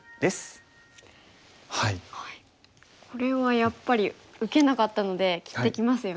これはやっぱり受けなかったので切ってきますよね。